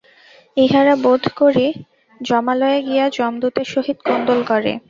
ইহারা বোধ করি যমালয়ে গিয়া যমদূতের সহিত কোন্দল করে।